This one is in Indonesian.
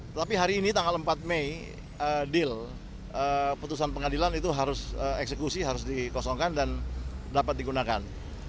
tetapi hari ini tanggal empat mei deal putusan pengadilan itu harus eksekusi harus dikosongkan dan dapat digunakan